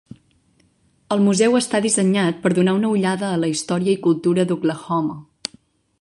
El museu està dissenyat per donar una ullada a la història i cultura d'Oklahoma.